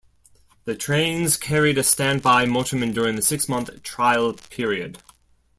The trains carried a stand-by motorman during the six-month trial period.